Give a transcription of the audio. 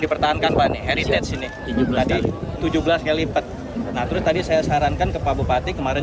dipertahankan pak heritage ini tujuh belas kali tujuh belas kali lipat nah tadi saya sarankan ke pak bupati kemarin